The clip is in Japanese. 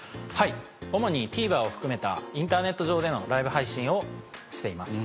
主にＴＶｅｒを含めたインターネット上でのライブ配信をしています。